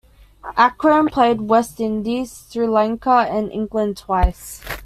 Akram played West Indies, Sri Lanka and England twice.